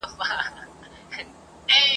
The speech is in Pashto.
چي دا کلونه راته وايي نن سبا سمېږي !.